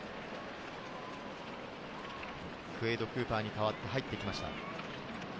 クウェイド・クーパーに代わって入ってきました。